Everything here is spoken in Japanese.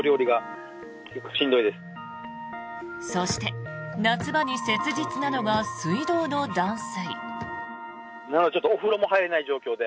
そして、夏場に切実なのが水道の断水。